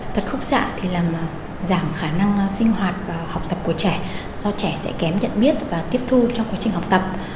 tật khúc xạ thì làm giảm khả năng sinh hoạt và học tập của trẻ do trẻ sẽ kém nhận biết và tiếp thu trong quá trình học tập